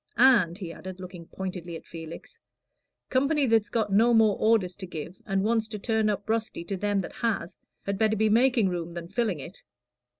And," he added, looking pointedly at Felix, "company that's got no more orders to give, and wants to turn up rusty to them that has, had better be making room than filling it.